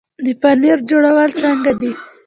د پنیر جوړول څنګه دي؟